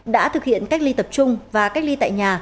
đã thực hiện cách ly tập trung và cách ly tại nhà